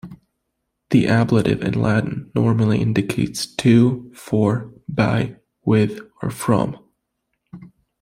The ablative in Latin normally indicates 'to, for, by, with or from'